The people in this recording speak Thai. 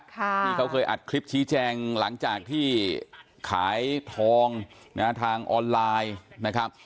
ที่เขาเคยอัดคลิปชี้แจงหลังจากที่ขายทองนะฮะทางออนไลน์นะครับ